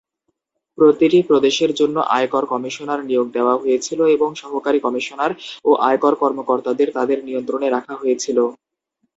প্রতিটি প্রদেশের জন্য আয়কর কমিশনার নিয়োগ দেওয়া হয়েছিল এবং সহকারী কমিশনার ও আয়কর কর্মকর্তাদের তাদের নিয়ন্ত্রণে রাখা হয়েছিল।